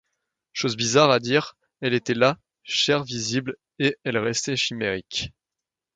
Chose bizarre à dire, elle était là, chair visible, et elle restait chimérique.